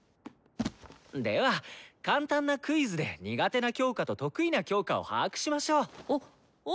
では簡単なクイズで苦手な教科と得意な教科を把握しましょう。